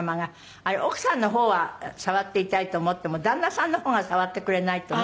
あれ奥さんの方は触っていたいと思っても旦那さんの方が触ってくれないとね。